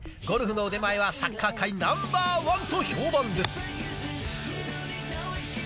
ゴルフの腕前はサッカー界ナンバーワンと評判です。